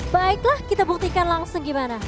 baiklah kita buktikan langsung gimana